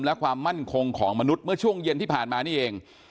และความมั่นคงของมนุษย์เมื่อช่วงเย็นที่ผ่านมานี่เอง